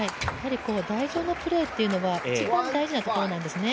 台上のプレーというのは一番大事なところなんですね。